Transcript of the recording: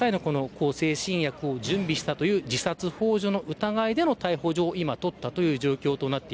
向精神薬を準備した自殺ほう助の疑いでの逮捕状を取ったという状況です。